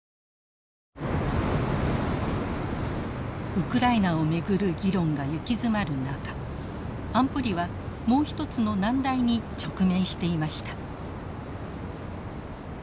ウクライナを巡る議論が行き詰まる中安保理はもうひとつの難題に直面していました。